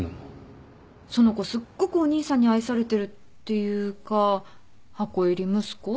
その子すっごくお兄さんに愛されてるっていうか箱入り息子っていうか。